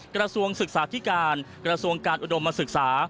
กระทรวงศึกษาธิการกระทรวงการอุดมศึกษา